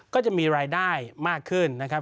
ก็จะมีรายได้มากขึ้นนะครับ